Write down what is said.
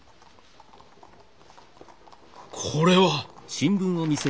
これは。